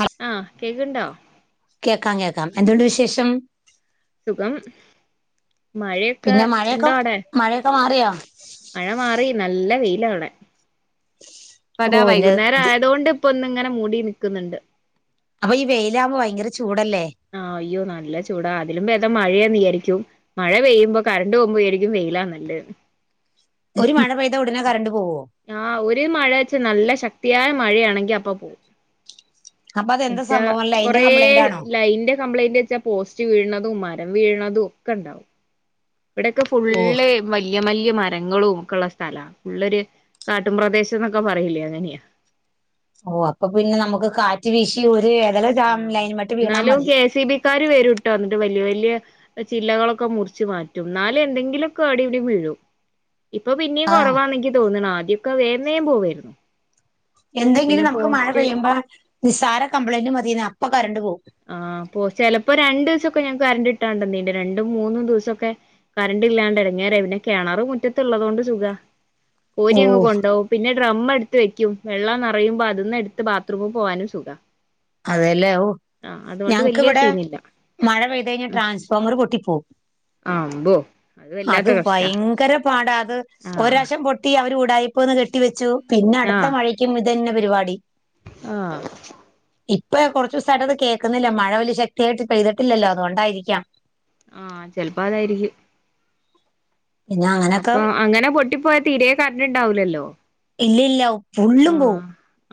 ഹ ആഹ്, കേക്ണ്ടോ? കേക്കാം, കേക്കാം എന്തു ണ്ട് വിശേഷം? സുഖം. മഴയൊക്കെ പിന്നെ മഴയൊക്കെ, ഇണ്ടോ അവിടെ മഴയൊക്കെ മാറിയോ? മഴ മാറി, നല്ല വെയിലാവിടെ. പ്പ ഓ താ എന്റെ വൈകുന്നേരം ഇത് ആയതൊണ്ട്. പ്പൊ ഒന്ന്ങ്ങനെ മൂടി നിക്കുന്നുണ്ട്. അപ്പൊ, ഈ വെയിലാവുമ്പോ ഭയങ്കര ചൂടല്ലേ? ആഹ്, അയ്യോ നല്ല ചൂടാ. അതിലും ബേധം മഴയാന്ന് വിയാരിക്കും. മഴ പെയ്യുമ്പോ കരണ്ട് പോകുമ്പോ വിചാരിക്കും, വെയ്ലാ നല്ല ന്ന്. ഒരു മഴ പെയ്ത ഉടനെ കറണ്ട് പോവോ? ആഹ്, ഒരു മഴയ്ച നല്ല ശക്തിയായ മഴയാണെങ്കി, അപ്പ പോവും. അപ്പൊ അതെന്താ ച്ച സംഭവം ലൈന്റെ കൊറേ. കംപ്ലൈന്റ് ആണോ അയ്ന്റെ കംപ്ലയിന്റ് വെച്ചാ, പോസ്റ്റ് വീഴുണതും, മരം വീഴുണതും ഒക്കെ ണ്ടാവും. ഇവിടെക്കെ ഫുള്ള്. ഓ വല്ല്യ, വല്ല്യ, മരങ്ങളും ഒക്കെ ഉള്ള സ്ഥലാ. ഫുള്ളൊരു കാട്ടും പ്രദേശം എന്നൊക്കെ പറയില്ലേ? അങ്ങനെയാ. ഓഹ്, അപ്പൊ പിന്നെ നമുക്ക് കാറ്റ് വീശി ഒരു എകലചാമ് ലൈൻ മക്ക് വീണാ മതി. കാര് വരുട്ടോ ന്നട്ട് വല്ല്യ, വല്ല്യ. ചില്ലകളൊക്കെ മുറിച്ച്മാറ്റും. ന്നാലും എന്തെങ്കിലുക്കെ അവിടേം വിടേം വീഴും. ഇപ്പൊ, പിന്നെയിം ആ കുറവാന്ന് ഇന്ക് തോന്നണെ. ആദ്യക്കെ വേം, വേം പോവായിരുന്നു. പിന്നെ എന്തെങ്കിലും നമുക്ക് മഴ പോസ്റ്റ് പെയ്യുമ്പോ നിസ്സാര കംപ്ലൈന്റ് മതിന്നേ? അപ്പൊ കറണ്ട് പോവും. ആഹ്, പ്പൊ ചെലപ്പം രണ്ടു ദിവസൊക്കെ ഞങ്ങക്ക് കരണ്ട് കിട്ടാർന്നില്ല. രണ്ടും, മൂന്നും ദിവസൊക്കെ. കറണ്ട് ഇല്ലാണ്ട് ഇടങ്ങേറായി. പിന്നെ കെണറ് മുറ്റത്തള്ളതോണ്ട് സുഖ. ഓ കോരി അങ്ങ് കൊണ്ടോകും. പിന്നെ. ഡ്രം എടുത്ത് വെക്കും. വെള്ളം നറയുമ്പോ അതിന്ന് എടുത്ത് ബാത്റൂമി പോകാനും സുഖ. അതെല്ലേ. ഓ, അതുകൊണ്ട് ഞങ്ങക്ക് വലിയ വിടെ സീനില്ല മഴ പെയ്ത് കഴിഞ്ഞാ, ട്രാൻസ്ഫോർമർ പൊട്ടി പോവും. ആഹ് അമ്പോ അത് വല്ലാത്ത കഷ്ടാ വൈങ്കര പാടാ, അത് ആഹ് ഒരാശം പൊട്ട കിട്ടി, അവരുടായിപ് കെട്ടി വെച്ചു. പിന്നെ അടുത്ത ആഹ് മഴക്കും ഇതെന്നെ പരിപാടി. ആഹ്. ഇപ്പ കുറച്ച് ദിവസായിട്ട് കേക്കുന്നില്ല. മഴ വലിയ ശക്തിയായിട്ട് പെയ്തിട്ടില്ലല്ലോ? അതുകൊണ്ടായിരിക്കാം. ആഹ ചെലപ്പോ അതായിരിക്കും. പിന്നെ അങ്ങനൊക്കെ അപ്പം അങ്ങനെ പൊട്ടിപ്പോയ തീരേ കറന്റ്‌ ഉണ്ടാവുല്ലലോ ഇല്ല ഇല്ല ഫുള്ളും പോവും.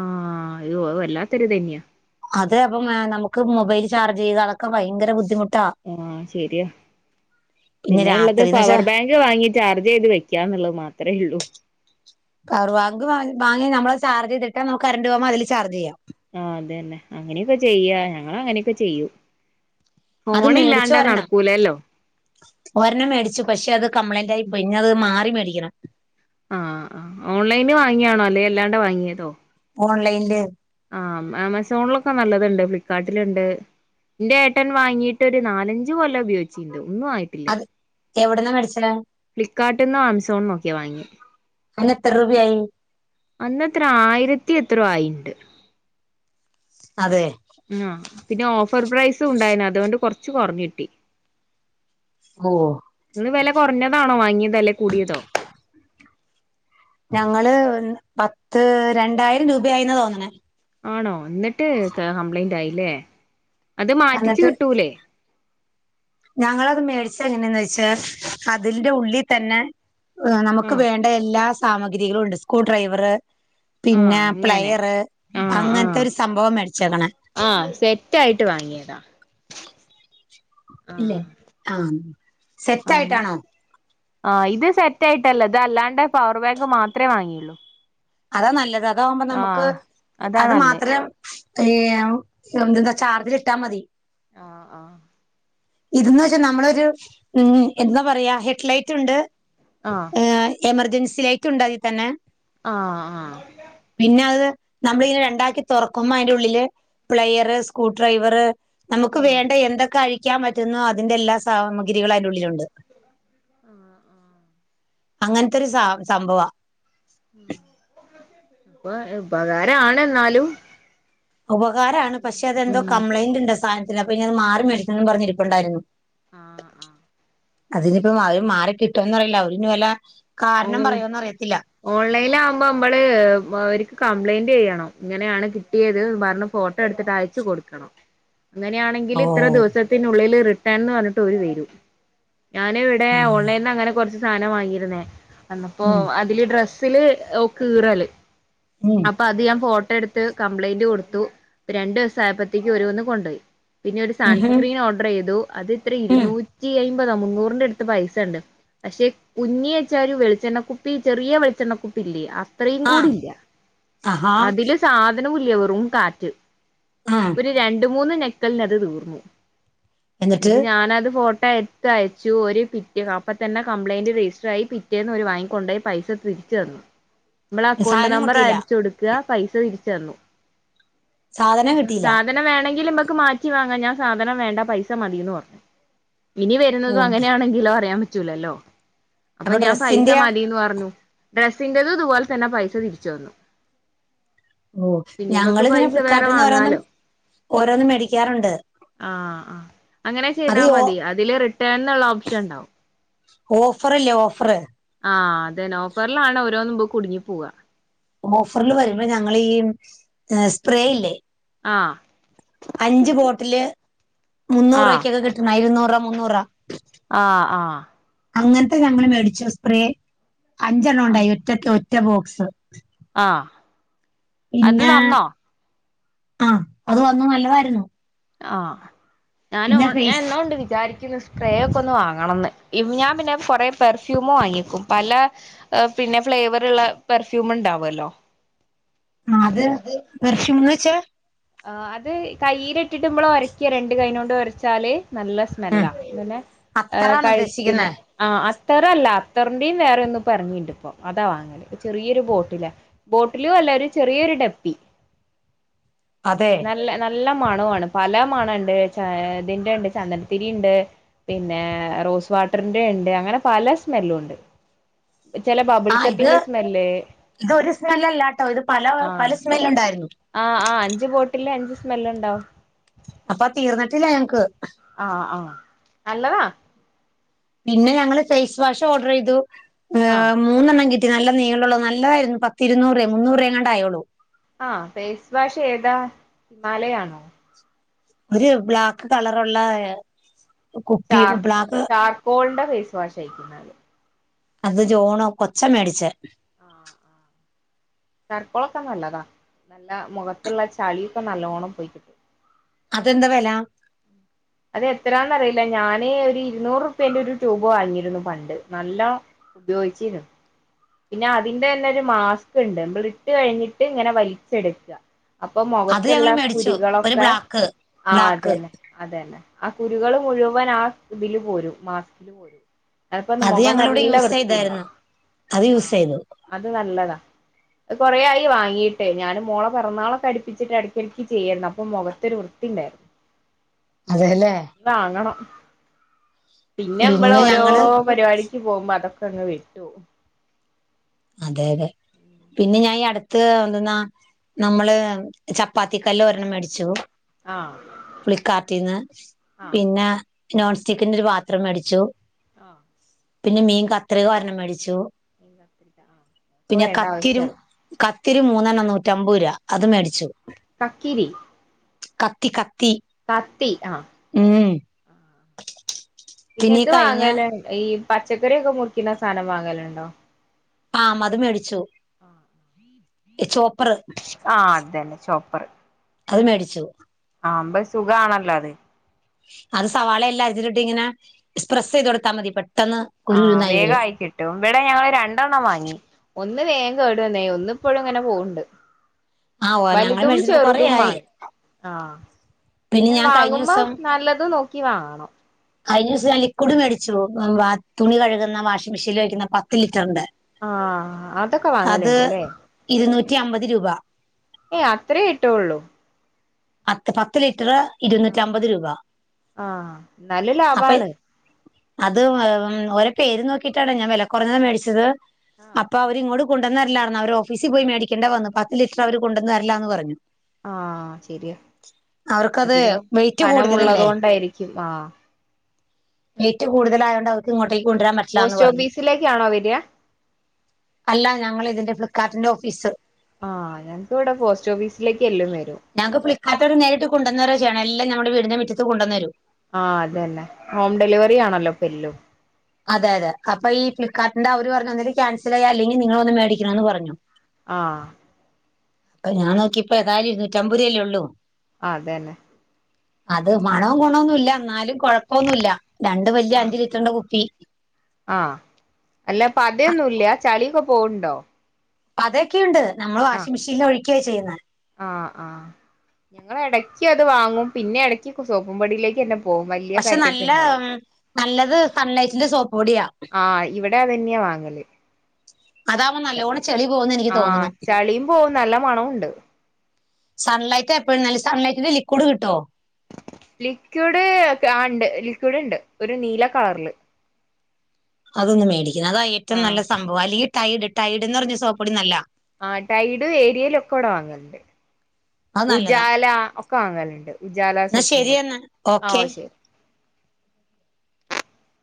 ആഹ, അത് വല്ലാത്തരു ഇത് തന്നയാ അത് അപ്പം നമുക്ക് മൊബൈ ചർജ് ചെയ്യുകാതൊക്കെ ഭയങ്കര ബുദ്ധിമുട്ടാ. ആഹ് ശരിയ പിന്നെ ഉള്ളത് രാത്രിന്ന് വെച്ചാ പവർ ബാങ്ക്. വാങ്ങി ചാർജ് ചെയ്ത് വെക്കാ എന്നുള്ളത് മാത്രഒള്ളൂ. പവർ ബാഗ്ഗ് വാങ്ങി നമ്മൾ ചാർജയ്തിട്ടേ നമക്ക് കറണ്ട് പോകുമ്പോ അതില് ചാർജ് ചെയ്യാം. ആഹ് അത് തന്നെ അങ്ങനെയൊക്കെ ചെയ്യാ ഞങ്ങളങ്ങനെയൊക്കെ ചെയ്യൂ. അത് മേടിച്ചു ഫോണില്ലാണ്ടാ ഒരെണ്ണം നടക്കൂലല്ലോ? ഒരെണ്ണം മേടിച്ചു പക്ഷെ അത് കംപ്ലൈന്റ് ആയി പോയി ഇനി അത് മാറി മേടിക്കണം. ആഹ് ആഹ് ഓൺലൈന് വാങ്ങിയാണോ അല്ലെ അല്ലാണ്ട് വാങ്ങിയതോ? ഓൺലൈൻല്. ആഹ് ആമസോണിലൊക്കെ നല്ലതുണ്ട് ഫ്ലിപ്പ്കാർട്ടിലുണ്ട്. എന്റെ ഏട്ടൻ വാങ്ങിട്ട് ഒരു നാലഞ്ച കൊല ഉപയോഗിച്ചിട്ടുണ്ട് ഒന്നും ആയിട്ടില്ല എവിടന്നാ മേടിച്ച ഫ്ലികാർട്ടന്നോ ആമസോണന്നൊക്കെ വാങ്ങി അതിന് എത്ര രൂപ യായി അന്നത്ര ആയിരത്തി എത്രയോ ആയി ഉണ്ട് അതെ ഉം പിന്നെ ഓഫർ പ്രൈസും ഉണ്ടായിന അതുകൊണ്ട് കൊറച്ച് കൊറഞ്ഞിട്ടി. ഓ ഇന്ന് വില കുറഞ്ഞതാണോ വാങ്ങിയതകൂടിയതോ ഞങ്ങള് പത്ത് രണ്ടായിരം രൂപ ആയിന്ന് തോന്നണ ആണോ എന്നിട്ട് കംപ്ലയിന്റ് ആയില്ലേ അത് മാറ്റിിച്ചു എന്നിട്ട് കിട്ടൂലേ ഞങ്ങളത് മേടിച്ച എങ്ങനെയന്ന് വെച്ചാ അതിന്റെ ഉള്ളിൽ തന്നെ നമുക്ക് ആഹ് വേണ്ട എല്ലാ സാമഗ്രികളും ഉണ്ട് സ്ക്രൂ ഡ്രൈവർ ആഹ് പിന്നെ അങ്ങനെ പ്ലെയർ അങ്ങനത്തെ ഒരു സംഭവം മേടിച്ചക്കണ ആഹ സെറ്റ് ആയിട്ട് വാങ്ങിയതാ ഇല്ലെ ആഹ് ആ സെറ്റ് ആയിട്ടാണോ ആ ഇത് സെറ്റ് ആയിട്ടല്ലോ അത് അല്ലാണ്ട് പവർ ബാങ്ക് മാത്രമേ വാങ്ങിയുള്ളൂ അതാ നല്ലത് അതാകുമ്പോ നമുക്ക് ആഹ് അതാ അത് നല്ലേ മാത്രം ഏ എന്തെന്താ ചാർജില ഇട്ടാ മതി ആഹ ആഹ ഇതന്ന് വെച്ചാൽ നമ്മളൊരു ഉ എന്താ പറയാ ഹെഡ്ലൈറ്റ് ഉണ്ട് ആഹ് ഏ എമർജൻസി ലൈറ്റ് ഉണ്ടോ അതിൽ തന്നെ ആ ആ പിന്നെ അത് നമ്മളിെ രണ്ടാക്കി തുറക്കുമ്പോ അതിന്റെ ഉള്ളില് പ്ലെയർ സ്ക്രൂ ഡ്രൈവറ് നമുക്ക് ആഹ് വേണ്ട എന്തൊക്കെ അഴിക്കാൻ പറ്റുന്നുോ അതിറെ എല്ലാ സാമഗ്രികളും അതിൻള്ളിലുണ്ട് ആഹ ആഹ അങ്ങനത്തെൊരു സ സംഭവാ ഉം [unintelligible] ഉപകരമാണെന്നാലും ഉപകാരമാണ് പക്ഷെ അതെന്തോ ഉം കംപ്ലൈന്റ്ണ്ടോ സാധനത്തിൽ അപ്പ ഇനി അത് മാറി മേടിക്കന്ന് പറഞ്ഞി ഇപ്പുണ്ടായിരുന്നു ആഹ് ആഹ് അതിനിപ്പം അവര് മാറി കിട്ടോന്നറിയില്ല അവരിഞ്ഞി വല്ല കാരണം പറയോന്ന് അറിയത്തില്ല ഓൺലൈനിൽ ആകുമ്പോ നമ്മള് അവർക്ക് കംപ്ലൈന്റ് ചെയ്യണം ഇങ്ങനെയാണ് കിട്ടിയത് പറഞ്ഞ് ഫോട്ടോ ട്ടട്ത്തിട്ട് അയച്ചു കൊടുക്കണം അങ്ങനെയാണെങ്കിൽ ഓ ഇത്ര ദിവസത്തിനുള്ളിൽ റിട്ടേൺ എന്ന് പറഞ്ഞിട്ട് അവര് വരും ഞാന് ഓൺ ഉം ലൈനിൽ അങ്ങനെ കുറച്ചു സാദനം വാങ്ങിയിരുന്നേ അന്ന് പ്പൊ ഉം ഇതില് ഡ്രസ്സില് ഒ കീറല് ങും അപ്പൊ അത് ഞാൻ ഫോട്ടോ എടുത്ത് കംപ്ലയിന്റ് കൊടുത്തു രണ്ടു ദിവസം ആയപ്പോഴത്തേക്ക് ഒരുവന്ന് കൊണ്ടുപോയി പിന്നെ ഒരു ഉം സൺസ്ക്രീൻ ഓർഡർ ചെയ്തു അത് എത്രാ ഉം ഇരുന്നൂ റ്റി അയ്മ്പതോ മുന്നൂറിന്റെ അടുത്ത് പൈസ ഉണ്ട് പക്ഷെ കുഞ്ഞി ച്ചാ ഒരു വെളിച്ചെണ്ണക്കുപ്പി ചെറിയ വെളിച്ചെണ്ണക്കുപ്പി ഇല്ലേ അത്രയും ആഹ് കൂടില്ല ആഹാ അതില് സാധനവുല്ല വെറും കാറ്റ് ആഹ് ഒരു രണ്ട് മൂന്ന് നെക്കലിനത് തീർന്നു എന്നിട്ട് ന്നിട്ട് ഞാനത് ഫോട്ടോ അയ അയച്ചു ഒരു പിറ്റ അപ്പ തന്ന കംപ്ളയിന്റ് രജിസ്റ്റർ ആയി പി- പിറ്റേന്ന് ഓര് വാങ്ങിക്കൊണ്ടോയി പൈസ തിരിച്ചു തന്നു നമ്മള അക്കൗണ്ട് സാധനം നമ്പർ കിട്ടിയില്ല അടിച്ചു കൊടു ക്കാ പൈസ തിരിച്ചന്നു സാധനം കിട്ടിയില്ല സാധനം വേണെങ്കിൽ ഇമ്മക്ക് മാറ്റി വാങ്ങാം ഞാൻ സാധനം വേണ്ട പൈസ മതിയന്ന് പറഞ്ഞു ഇനി വരുന്നതും ഓഹ് അങ്ങനെയാണെങ്കിലോ അറിയാൻ പറ്റൂലല്ലോ അപ്പൊ ഞാൻ പൈസ മതിന്ന് പറഞ്ഞു ഡ്രസ്സിന്റെതും ഇതുപോലെ തന്നെ പൈസ തിരിച്ചു തന്നു ഓഹ് പിന്നീമ്പക്ക് ഞങ്ങളിങ്ങനെ പൈസ വേറെ ഫ്ലിപ്കാർട്ടിന്ന് ഓരോന്നും വാങ്ങാലോ ഓരോന്ന് മേടിക്കാറുണ്ട് ആഹ് ആഹ് അങ്ങനെ അത് ചെയ്താ ഓ മതി അ ഇതില് റിട്ടേണുള്ള ഓപ്ഷൻ ഉണ്ടാവും ഓഫറില്ലേ ഓഫറ് ആഹ് അതെ ഒഫറിലാണ് ഓരോന്നും കുടുങ്ങി പോവ്വാ ഓഫറിൽ വരുമ്പോ ഞങ്ങളി സ്പ്രേ ഇല്ലേ ആഹ് അഞ്ച് ബോട്ടില് മുന്നൂറു ആഹ് രൂപയ്ക്കൊക്കെ കിട്ടണ ഇരുന്നൂറ രൂപ മുന്നൂറൂപ ആഹ് ആഹ് അങ്ങനത്തെ ഞങ്ങൾ മേടിച്ച് സ്പ്രേ അഞ്ചെണ്ണം ആഹ് ഉണ്ടായി ഒറ്റ ഒറ്റ ബോക്സ് ആഹ് അത് പിന്നെ നന്നോ ആഹ് അത് വന്നു നല്ലതായിരുന്നു ആഹ് ഞാനു പിന്നെ ഞാൻ ഫേസ് എന്നോ കൊണ്ട് വിചാരിക്കുന്നു സ്പ്രേ ഒക്കെയൊന്ന് വാങ്ങണോന്ന് ഞാൻ പിന്നെ കൊറേ പെർഫ്യൂമും വാങ്ങിക്കും പല പിന്നെ ഫ്ലേവറുള്ള പെർഫ്യൂം ഉണ്ടാവുമല്ലോ ആഹ് അത് പെർഫ്യൂമെന്ന് വെച്ചാ ആഹ് അത് കൈയ്യിൽ ഇട്ടിട്ട് മ്മള് ഒരയ്ക്ക രണ്ട് കൈയ്യും കൊണ്ട് ഉരച്ചാല് നല്ല ഉം സ്മെല്ലാ ഇങ്ങനെ ഏഹ് അത്തറാണ് ഉദ്ദേശിക്കുന്നേ കഴുത്തില് ആഹ് അത്തറല്ല അത്തറിന്റെയും വേറെ ഒന്നിപ്പെറങ്ങിയിട്ടുണ്ട് ഇപ്പോ അതാ വാങ്ങ ചെറിയൊരു ബോട്ടിലാ ബോട്ടിലും അല്ല ഒരു ചെറിയൊരു ഡപ്പി അതെ ഇല്ല നല്ല മണമാണ് പല മണുണ്ട് ഇതിന്റെ ഉണ്ട് ചന്ദനത്തിരിയുണ്ട് പിന്നെ റോസ് വാട്ടറിന്റെയുണ്ട് അങ്ങനെ പല സ്മെല്ലുമുണ്ട് ചെല ബാ ആഹ് ഇത് ഇതൊരു സ്മെല്ലല്ലാട്ടോ ഇത് പല പല ആഹ് സ്മെല്ലുണ്ടായിരുന്നു ആഹ് ആഹ് അഞ്ച് ബോട്ടില് അഞ്ച് സ്മെല്ലുണ്ടാവും അപ്പൊ തീർന്നിട്ടില്ല ഞങ്ങക്ക് ആഹ് ആഹ് നല്ലതാ പിന്നെ ഞങ്ങള് ഫേയ്സ് വാഷ് ഓർഡർ ചെയ്തു ആഹ് ഏഹ് മൂന്നെണ്ണം കിട്ടി നല്ല നീളുള്ള നല്ലതായിരുന്നു പത്തിരുന്നൂറു രുപയായി മുന്നൂറു രൂപയെങ്ങാണ്ടായുള്ളൂ ആഹ് ഫേയ്സ് വാഷ് ഏതാ ഹിമാലയാണോ ഒരു ബ്ലാക്ക് കളറുള്ള കുപ്പി ചാർക്ക് ബ്ലാക്ക് ചാർക്കോളിന്റെ ഫേയ്സ് വാഷ് അയിരിക്കും എന്നാല് അത് ജോണോ കൊച്ചാ മേടിച്ചെ ആഹ് ആഹ് ചർപ്പോളൊക്കെ നല്ലതാ നല്ല മുഖത്തിലുള്ള ചളിയൊക്കെ നല്ലോണം പോയി കിട്ടും അതെന്താ വില അത് എത്രാന്നറിയില്ല ഞാന് ഒരു ഇരുന്നൂറുപ്യേന്റെ ഒരു ട്യൂബ് വാങ്ങിയിരുന്നു പണ്ട് നല്ല ഉപയോഗിച്ചീന് പിന്നെ അതിന്റെ തന്നെ ഒരു മാസ്ക്കിണ്ട് നമ്മളിട്ട് കഴിഞ്ഞിട്ട് ഇങ്ങനെ വലിച്ചെടുക്കാ അപ്പൊ അത് മുഖത്തുള്ള ഞങ്ങള് മേടിച്ചു ഒരു കുരുകളൊക്കെ ബ്ലാക്ക് ആഹ് ബ്ലാക്ക് അതന്നെ അതന്നെ ആഹ് കുരുകള് മുഴുവൻ ആ ഇതില് പോരും മാസ്കില് പോരും അതിപ്പോ അത് മുഖം ഞങ്ങളിവിടെ നല്ല യൂസ് ചെയ്തായിരുന്നു വൃത്തിയുണ്ടാവും അത് ആ യൂസ് ചെയ്തു അത് നല്ലതാ കുറേയായി വാങ്ങിയിട്ട് ഞാൻ മോളെ പിറന്നാളൊക്കെ അടുപ്പിച്ചിട്ട് ഇടക്കിടക്ക് ചെയ്യായിരുന്നു അപ്പൊ മുഖത്തൊരു വൃ ത്തിയുണ്ടായിരുന്നു അതേല്ലേ വാങ്ങണം. പിന്നെ നമ്മള് ഓരോ പരിപാടി ക്ക് പോകുമ്പോ അതൊക്കെയങ്ങു വിട്ടു പോകും. അതെ അതെ പിന്നെ ഞാൻ ഈ അടുത്ത് എന്തെന്നാ നമ്മള് ചപ്പാത്തികല്ല് ഒരെണ്ണം മേടിച്ചു. ആഹ് ഫ്ലിപ്പ്കാർട്ടിന്ന് ആഹ് പിന്നെ നോൺസ്റ്റിക്കിന്റെ ഒരു പാത്രം മേടിച്ചു ആഹ് പിന്നെ മീൻ കത്രിക ഒരെണ്ണം മേടിച്ചു. മീൻ കത്രിക ആഹ് ഇപ്പൊ പിന്നെ വേണ്ട കത്തിരും ആവശ്യല്ല കത്തിരി മൂന്നെണ്ണം നൂറ്റമ്പത് രൂപ അത് മേടിച്ചു. കക്കിരി കത്തി കത്തി കത്തി ആഹ് ഉം പിന്നെ ഈ ഇത് കഴിഞ്ഞ വാങ്ങല് ഈ പച്ചക്കറി ഒക്കെ മുറിക്കുന്ന സാധനം വാങ്ങലുണ്ടോ? ആഹ് അതും മേടിച്ചു ചോപ്പറ്. ആഹ് അതന്നെ ചോപ്പറ്. അത് മേടിച്ചു. ആമ്പം സുഖാണല്ലോ അത് അത് സവാള എല്ലാം അരിഞ്ഞിട്ടിട്ട് ഇങ്ങനെ പ്രസ് ചെയ്ത് കൊടുത്താൽ മതി പെട്ടെന്ന് ആഹ് കുരുകുരുന്നായി വേഗം വരും ആയി കിട്ടും. ഇവിടെ ഞങ്ങള് രണ്ടെണ്ണം വാങ്ങി. ഒന്ന് വേഗം കേടുവന്നേ. ഒന്ന് ഇപ്പോഴും ഇങ്ങനെ പോകണ്ട് ആ ഓ ഞങ്ങൾ വലുതും മേടിച്ചിട്ട് കൊറേ ചെറുതും ആയി വാങ്ങി ആഹ് പിന്നെ ഞാൻ കഴിഞ്ഞ വാങ്ങുമ്പോ ദിവസം നല്ലത് നോക്കി വാങ്ങണം. കഴിഞ്ഞദിവസം ഞാൻ അല്ലെ ലിക്വിഡു മേടിച്ചു തുണി കഴുകുന്ന വാഷിംഗ് മെഷീനിൽ ഒഴിക്കുന്ന പത്ത് ലിറ്ററിന്റെ ആഹ് അതൊക്കെ അത് വാങ്ങലുണ്ട്ല്ലേ? ഇരുന്നൂറ്റി അമ്പത് രൂപ. ഏയ് അത്രയേ ആയിട്ടുള്ളു. പത്ത് ലിറ്റർ ഇരുന്നൂറ്റി അമ്പത് രൂപ ആഹ് നല്ല അപ്പൊ ലാഭാണ് അത് മ് ഓരോ പേര് നോക്കിട്ടാണ് ഞാൻ വില കുറഞ്ഞത് മേടിച്ചത് അപ്പൊ അവരിങ്ങോട്ട് കൊണ്ടുവന്നരല്ലാണ് അവര് ഓഫീസി പോയിമേടിക്കേണ്ട വന്ന് പത്ത് ലിറ്റർ അവർ കൊണ്ടുവന്നരില്ലന്ന് പറഞ്ഞു ആഹ് ശെരിയാ അവർക്കത് അധികം വെയിറ്റ് കനമുള്ളത് കൂടുതലല്ലേ കൊണ്ടായിരിക്കും ആഹ് വെയിറ്റ് കൂടുതലായൊണ്ട് അവർക്കീങ്ങോട്ടക്ക് കൊണ്ടുവരാൻ പറ്റ് പോസ്റ്റ് ഓഫീസിലേക്കാണോ വരിക? അല്ല ഞങ്ങൾ ഇതിന്റെ ഫ്ലിപ്കാർട്ടിന്റെ ഓഫീസ്. ആഹ് ഞങ്ങൾക്ക് ഇവിടെ പോസ്റ്റ് ഓഫീസിലേക്ക് എല്ലാം വരും. ഞങ്ങക്ക് ഫ്ലിപ്പകർട്ട്കാരിട്ട് നേരിട്ട് കൊണ്ടെന്ന് വരുകയാണ് എല്ലാം ഞങ്ങടെ വീടിന്റെ മുറ്റത്ത് കൊണ്ടുവന്നുതരും. ആഹ് അതന്നെ. ഹോം ഡെലിവറി ആണല്ലോ ഇപ്പോൾ എല്ലും അതെ അതെ അപ്പ ഈ ഫ്ലിപ്പ്കാർട്ടിന്റെ അവര് പറഞ്ഞു ഒന്നെങ്കിൽ ക്യാൻസൽ ചെയ്യാം. അല്ലെങ്കിൽ നിങ്ങൾ വന്ന് മേടിക്കണമന്ന് പറഞ്ഞു. ആഹ് അപ്പ ഞാൻ നോക്കിയപ്പോ ഏതായാലും ഇരുന്നൂറ്റാമ്പത് രൂപയല്ലേ ഉള്ളൂ. ആഹ് അതന്നെ അത് മണവും ഗുണൊന്നുല്ല. എന്നാലും കുഴപ്പമൊന്നുല്ല. രണ്ടു വലിയ ആഹ് അഞ്ചു ലിറ്ററിന്റെ കുപ്പി. ആഹ് അല്ല പതയൊന്നൂല്ല. ചളിയൊക്കെ പോവുണ്ടോ? പത ഒക്കെ ണ്ട് നമ്മള് ആഹ് വാഷിംഗ് മെഷേനിൽ ഒഴുക്കയ ചെയ്യുന്നത് ആഹ് ആഹ് ഞങ്ങ ഇടക്ക് അത് വാങ്ങും പിന്നെ ഇടക്ക് സോപ്പും പൊടിയിലേക്ക് തന്നെ പോവും വലിയ പക്ഷെ പാക്കറ്റ് നല്ല ഉണ്ടാവ ഉം, നല്ലത് സൺലൈറ്റ് ന്റെ സോപ്പ് പൊടിയാ ആഹ് ഇവിടെ അതെന്നെയാ വാങ്ങല് അതാവുമ്പോ നല്ലോണം ചെളി പോകുന്ന് എനിക്ക് ആഹ് തോന്നണു ചളിയും പോവും നല്ല മണൊണ്ട് സൺലൈറ്റ് എപ്പോഴും നല്ലത് സൺലൈറ്റിന്റെ ലിക്വിഡ് കിട്ടോ ലിക്വിഡ് ആണ്ട് ലിക്വിഡ്ണ്ട് ഒരു നീല കളറില് അതൊന്ന് മേടിക്കണം അതാ ആഹ് ഏറ്റവുംനല്ലസംഭവ അല്ലെങ്കി ടൈഡ് ടൈഡ്ന്നറ്ഞ്ഞ സോപ്പൊടി നല്ലാ ആഹ് ടൈഡ് ഏരിയൽ ഒക്കെവിടെ വാങ്ങൽണ്ട് അത് നല്ലതാ ഉജാല ഒക്കെ വങ്ങലുണ്ട് ഉജാല എന്നാ സൊപ്പുംപൊടി ശരിയെന്നാ ഓക്കെ ആഹ് ശരി